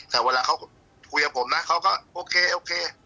แต่เวลาเขาคุยกับผมนะเขาก็โอเคโอเค